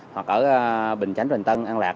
hoặc ở bình chánh bình tân an lạc